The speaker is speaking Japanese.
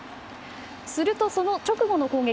すると、その直後の攻撃。